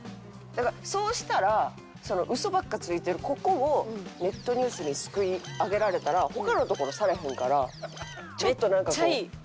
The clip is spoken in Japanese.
だからそうしたらウソばっかついてるここをネットニュースにすくい上げられたら他のところされへんからちょっとなんかこう。